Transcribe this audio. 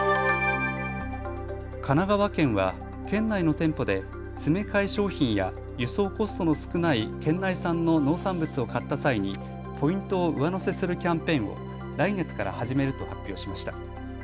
神奈川県は県内の店舗で詰め替え商品や輸送コストの少ない県内産の農産物を買った際にポイントを上乗せするキャンペーンを来月から始めると発表しました。